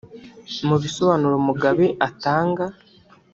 Mu bisobanuro Mugabe atanga